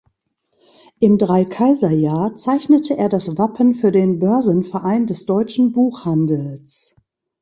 Im Dreikaiserjahr zeichnete er das Wappen für den Börsenverein des Deutschen Buchhandels.